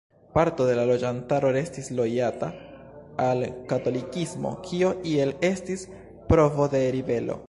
Parto de la loĝantaro restis lojala al katolikismo, kio iel estis provo de ribelo.